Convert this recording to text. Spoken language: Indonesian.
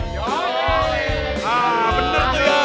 ya bener tuh ya